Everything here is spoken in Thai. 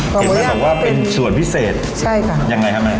เห็นไหมบอกว่าเป็นส่วนพิเศษใช่ค่ะยังไงครับแม่